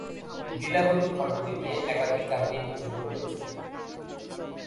লীলাবতী খণ্ডটি নিয়ে একাধিক কাহিনী প্রচলিত রয়েছে।